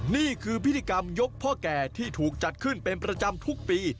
นี่คือพิธีกรรมยกพ่อแก่ที่ถูกจัดขึ้นเป็นประจำทุกปี